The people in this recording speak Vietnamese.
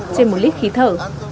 trên một lít khí thở